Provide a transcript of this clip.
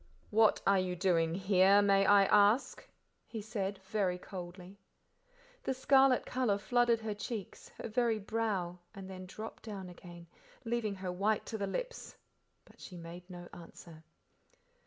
"What are you doing here, may I ask?" he said, very coldly. The scarlet colour flooded her cheeks, her very brow, and then dropped down again, leaving her white to the lips, but she made no answer.